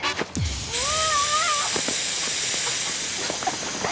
うわ！